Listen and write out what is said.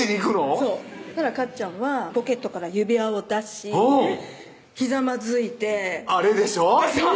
そうかっちゃんはポケットから指輪を出しひざまずいてあれでしょ？